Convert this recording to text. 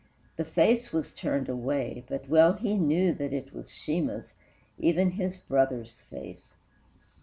The face was turned away, but well he knew That it was Sheemah's, even his brother's face.